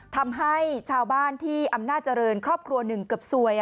ทำให้ชาวบ้านที่อำนาจเจริญครอบครัวหนึ่งเกือบซวย